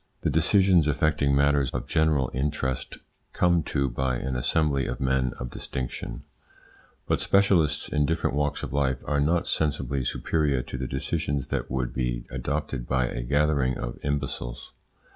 The decisions affecting matters of general interest come to by an assembly of men of distinction, but specialists in different walks of life, are not sensibly superior to the decisions that would be adopted by a gathering of imbeciles.